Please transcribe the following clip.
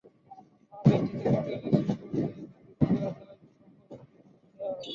সমাবেশ থেকে বিকেলে শিবগঞ্জে এবং বৃহস্পতিবার জেলায় বিক্ষোভ কর্মসূচির ঘোষণা দেওয়া হয়।